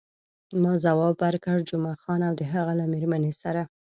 ما ځواب ورکړ، جمعه خان او د هغه له میرمنې سره.